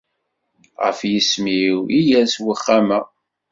Ɣef yisem-iw i yers uxxam-a.